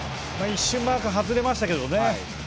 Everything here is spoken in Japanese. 一瞬マークは外れましたがね。